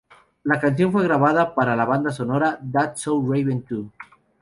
La canción fue grabada para la banda sonora "That's So Raven Too!